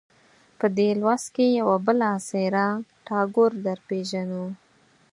په دې لوست کې یوه بله څېره ټاګور درپېژنو.